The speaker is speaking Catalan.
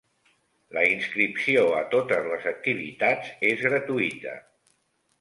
La inscripció a totes les activitats és gratuïta.